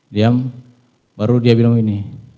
diam baru dia bilang ini